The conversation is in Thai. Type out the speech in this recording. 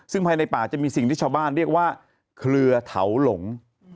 ซึ่งภายในป่าจะมีสิ่งที่ชาวบ้านเรียกว่าเครือเถาหลง